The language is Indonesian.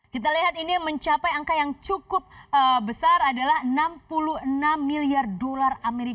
kita lihat ini mencapai angka yang cukup besar adalah enam puluh enam miliar dolar as